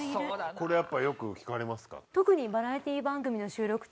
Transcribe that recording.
これやっぱりよく聞かれますか。